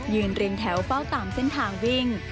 เรียงแถวเฝ้าตามเส้นทางวิ่ง